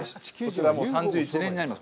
こちらは３１年になります。